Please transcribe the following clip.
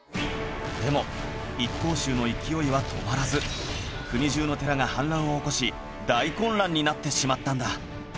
でも一向宗の勢いは止まらず国中の寺が反乱を起こし大混乱になってしまったんだ